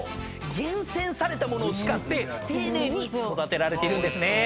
厳選された物を使って丁寧に育てられているんですね。